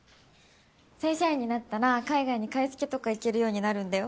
正社員になったら海外に買い付けとか行けるようになるんだよ